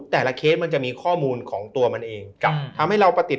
แต่ละเคสมันจะมีข้อมูลของตัวมันเองกับทำให้เราติด